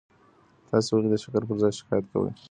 تاسي ولي د شکر پر ځای شکایت کوئ؟